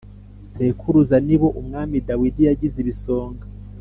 sekuruza Ni bo Umwami Dawidi yagize ibisonga